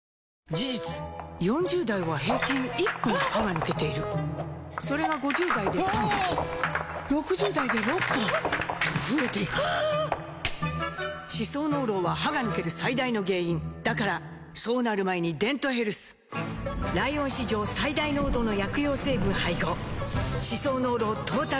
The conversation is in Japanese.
事実４０代は平均１本歯が抜けているそれが５０代で３本６０代で６本と増えていく歯槽膿漏は歯が抜ける最大の原因だからそうなる前に「デントヘルス」ライオン史上最大濃度の薬用成分配合歯槽膿漏トータルケア！